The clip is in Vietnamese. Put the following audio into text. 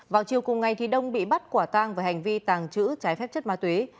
vào chiều cùng ngày thì đông bị bắt quả tang về hành vi tàng trữ trái phép chất ma túy